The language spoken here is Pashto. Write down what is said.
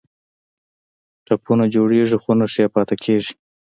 ټپونه جوړیږي خو نښې یې پاتې کیږي.